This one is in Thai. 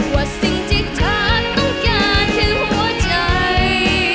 ว่าสิ่งที่เธอต้องการคือหัวใจ